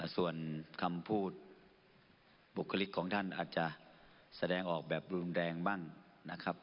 ส่วนคำพูดบุคลิกของท่านอาจจะแสดงออกแบบรุนแรงบ้างนะครับ